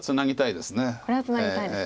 これはツナぎたいです。